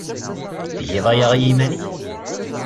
Tgiḍ aya i yiman-nnek?